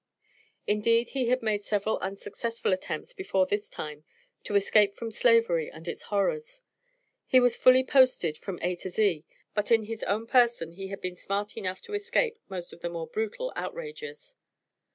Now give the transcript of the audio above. Indeed, he had made several unsuccessful attempts before this time to escape from slavery and its horrors. He was fully posted from A to Z, but in his own person he had been smart enough to escape most of the more brutal outrages.